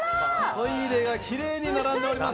トイレがきれいに並んでおります。